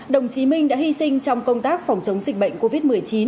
đồng chí minh đã hy sinh trong công tác phòng chống dịch bệnh covid một mươi chín